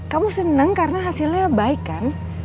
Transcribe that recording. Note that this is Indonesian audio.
kamu senang karena hasilnya baik kan